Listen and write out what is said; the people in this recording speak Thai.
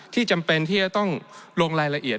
จำเป็นที่จะต้องลงรายละเอียด